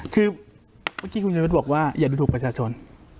คุณเย็นวิทย์บอกว่าอย่าดูถูกประชาชน